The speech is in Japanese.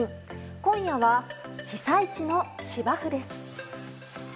今夜は被災地の芝生です。